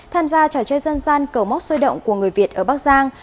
tham gia trò chơi dân gian cầu móc sôi động của người việt ở bắc giang